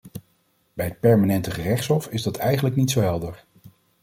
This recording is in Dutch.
Bij het permanente gerechtshof is dat eigenlijk niet zo helder.